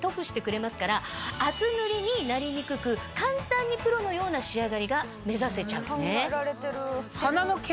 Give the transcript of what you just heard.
厚塗りになりにくく簡単にプロのような仕上がりが目指せちゃうんですね。